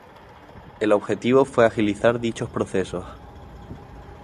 El objetivo fue agilizar dichos procesos.